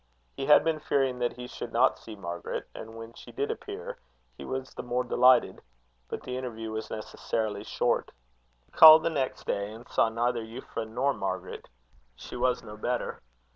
He had been fearing that he should not see Margaret; and when she did appear he was the more delighted; but the interview was necessarily short. He called the next day, and saw neither Euphra nor Margaret. She was no better.